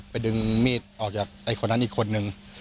ไปดึงมีดออกจากคนอื่นนกคนนึง